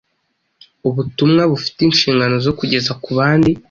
ubutumwa bufite inhingano zo kugeza kubandi